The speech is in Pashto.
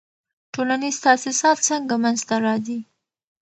ټولنیز تاسیسات څنګه منځ ته راځي؟